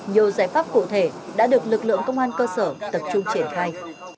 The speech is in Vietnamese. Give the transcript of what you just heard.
nhiều giải pháp cụ thể đã được lực lượng công an cơ sở tập trung triển khai